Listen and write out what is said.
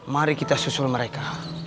mari kita susul mereka